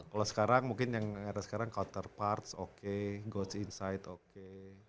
kalo sekarang mungkin yang ada sekarang counterparts oke gods inside oke